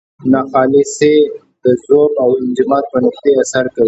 ناخالصې د ذوب او انجماد په نقطې اثر کوي.